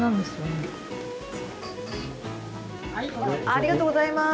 ありがとうございます。